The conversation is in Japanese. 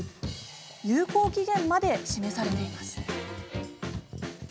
有効期限まで示されています。